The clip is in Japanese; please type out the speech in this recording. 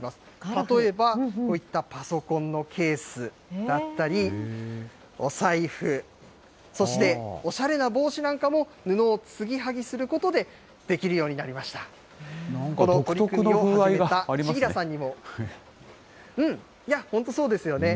例えばこういったパソコンのケースだったり、お財布、そしておしゃれな帽子なんかも布を継ぎはぎすることで、できるよなんか独特な風合いがありまうん、いやぁ、本当そうですよね。